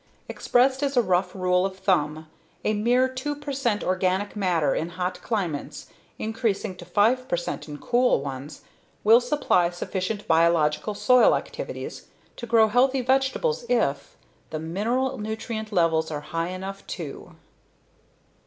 Expressed as a rough rule of thumb, a mere 2 percent organic matter in hot climates increasing to 5 percent in cool ones will supply sufficient biological soil activities to grow healthy vegetables if _the mineral nutrient levels are high enough too.